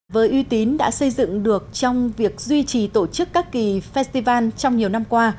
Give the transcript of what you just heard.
với uy tín đã xây dựng được trong việc duy trì tổ chức các kỳ festival trong nhiều năm qua